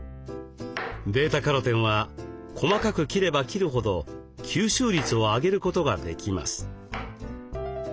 βカロテンは細かく切れば切るほど吸収率を上げることができます。